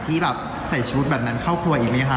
ที่แบบใส่ชุดแบบนั้นเข้าครัวอีกไหมคะ